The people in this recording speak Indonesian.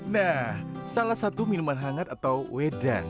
nah salah satu minuman hangat atau wedan